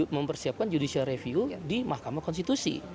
mempersiapkan judicial review di mahkamah konstitusi